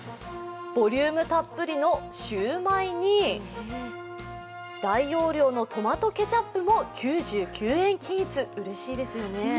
ボリュームたっぷりのシュウマイに大容量のトマトケチャップも９９円均一。